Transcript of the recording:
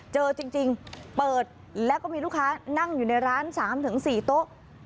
เจอจริงเปิดแล้วก็มีลูกค้านั่งอยู่ในร้าน๓๔โต๊ะ